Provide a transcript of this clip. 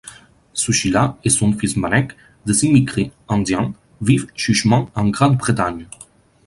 Sushila et son fils Manek, des immigrés indiens, vivent chichement en Grande-Bretagne.